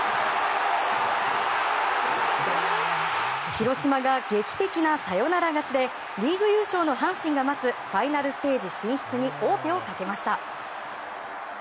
広島が劇的なサヨナラ勝ちでリーグ優勝の阪神が待つファイナルステージ進出に王手をかけました。